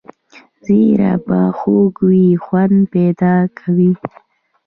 زیره په خوړو کې خوند پیدا کوي